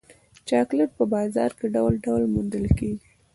چاکلېټ په بازار کې ډول ډول موندل کېږي.